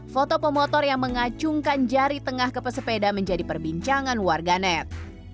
foto pemotor yang mengacungkan jari tengah ke pesepeda menjadi perbincangan warganet